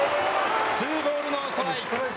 ツーボールノーストライク。